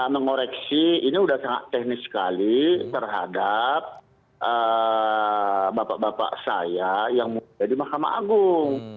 mengoreksi ini sudah sangat teknis sekali terhadap bapak bapak saya yang di mahkamah agung